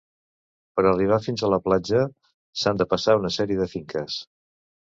Per arribar fins a sa platja s'ha de passar una sèrie de finques.